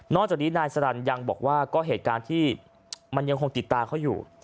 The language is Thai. จากนี้นายสรรค์ยังบอกว่าก็เหตุการณ์ที่มันยังคงติดตาเขาอยู่